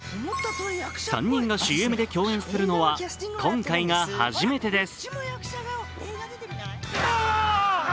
３人がＣＭで共演するのは今回が初めてです。